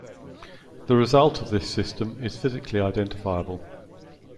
The result of this system is physically identifiable.